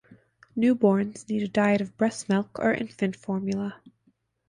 Newborns need a diet of breastmilk or infant formula.